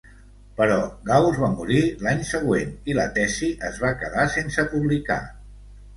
Però Gauss va morir l'any següent i la tesi es va quedar sense publicar.